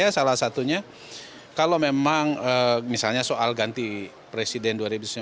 salah satunya kalau memang misalnya soal ganti presiden dua ribu sembilan belas